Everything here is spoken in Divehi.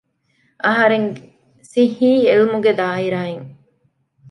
އަހަރެން ސިއްހީ އިލްމުގެ ދާއިރާއިން